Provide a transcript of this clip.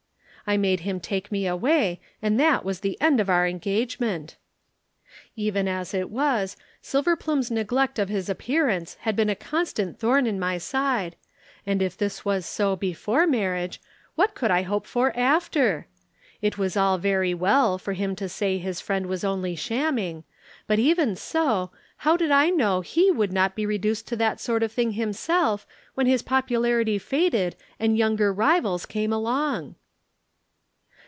I made him take me away and that was the end of our engagement. Even as it was, Silverplume's neglect of his appearance had been a constant thorn in my side, and if this was so before marriage, what could I hope for after? It was all very well for him to say his friend was only shamming, but even so, how did I know he would not be reduced to that sort of thing himself when his popularity faded and younger rivals came along."